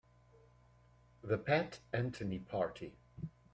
The Pat Anthony Party.